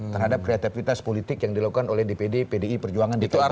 terhadap kreativitas politik yang dilakukan oleh dpd pdi perjuangan dki jakarta